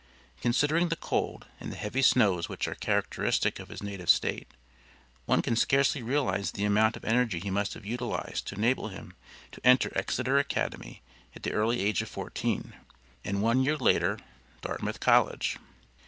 Considering the cold, and the heavy snows which are characteristic of his native State, one can scarcely realize the amount of energy he must have utilized to enable him to enter Exeter Academy at the early age of fourteen, and one year later, Dartmouth College.